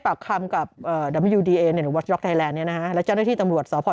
ปากคำกับเอ่อเนี่ยนี่นะฮะแล้วแจ้วหน้าที่ตำรวจสอพร